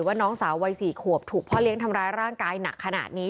ว่าน้องสาววัย๔ขวบถูกพ่อเลี้ยงทำร้ายร่างกายหนักขนาดนี้